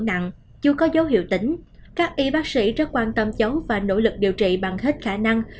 nặng chưa có dấu hiệu tỉnh các y bác sĩ rất quan tâm cháu và nỗ lực điều trị bằng hết khả năng